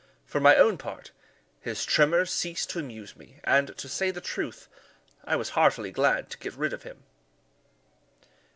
For my own part, his tremors ceased to amuse me, and, to say the truth, I was heartily glad to get rid of him.